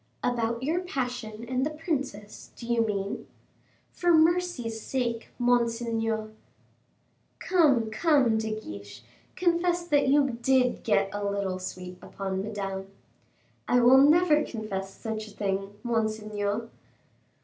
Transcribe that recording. "About your passion and the princess, do you mean?" "For mercy's sake, monseigneur." "Come, come, De Guiche, confess that you did get a little sweet upon Madame." "I will never confess such a thing, monseigneur."